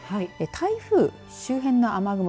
台風周辺の雨雲